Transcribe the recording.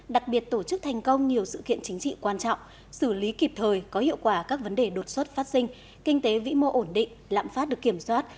đặc biệt tổ chức thành công nhiều sự kiện chính trị quan trọng xử lý kịp thời có hiệu quả các vấn đề đột xuất phát sinh kinh tế vĩ mô ổn định lạm phát được kiểm soát